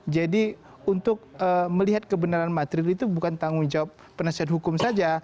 jadi untuk melihat kebenaran material itu bukan tanggung jawab penasihat hukum saja